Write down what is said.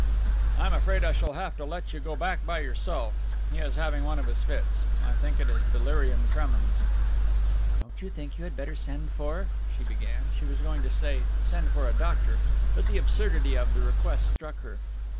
"I am afraid I shall have to let you go back by yourself. He is having one of his fits. I think it is delirium tremens." "Don't you think you had better send for " she began. She was going to say "send for a doctor," and the absurdity of the request struck her.